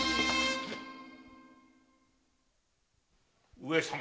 上様。